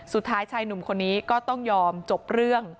สุดท้ายชายหนุ่มคนนี้ก็ต้องยอมจบเรื่อง